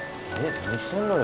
何してんのよ。